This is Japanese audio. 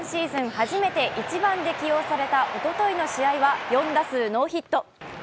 初めて１番で起用されたおとといの試合は４打数ノーヒット。